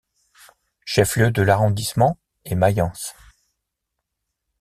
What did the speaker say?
Chef lieu de l'arrondissement et Mayence.